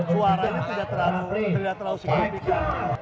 suaranya tidak terlalu sepupikan